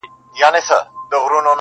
چي پخپله په مشکل کي ګرفتار وي -